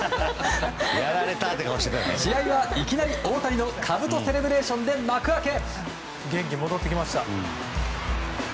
試合はいきなり大谷のかぶとセレブレーションで幕開け！